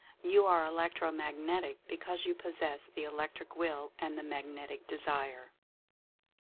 You are Elec tro Magnetic because you possess the Electric Will and the Magnetic Desire.